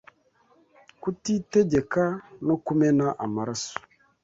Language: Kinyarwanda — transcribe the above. kutitegeka no kumena amaraso